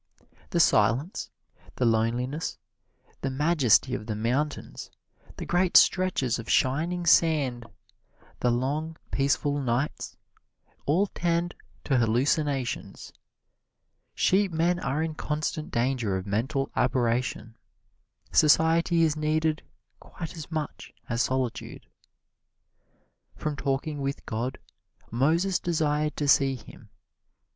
The silence, the loneliness, the majesty of the mountains, the great stretches of shining sand, the long peaceful nights, all tend to hallucinations. Sheepmen are in constant danger of mental aberration. Society is needed quite as much as solitude. From talking with God, Moses desired to see Him.